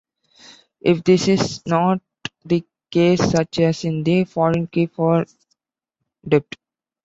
If this is not the case such as in the foreign key from "Dept".